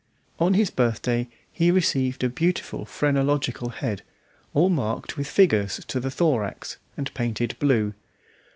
On his birthday he received a beautiful phrenological head, all marked with figures to the thorax and painted blue.